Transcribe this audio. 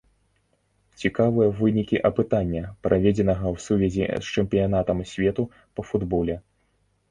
Цікавыя вынікі апытання, праведзенага ў сувязі з чэмпіянатам свету па футболе.